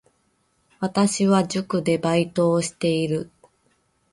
私は塾でバイトをしている